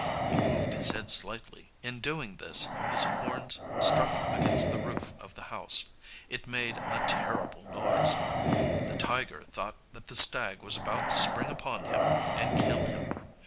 He moved his head slightly. In doing this his horns struck against the roof of the house. It made a terrible noise. The tiger thought that the stag was about to spring upon him and kill him.